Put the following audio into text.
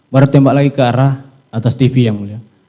baru tembak lagi ke arah atas tv yang mulia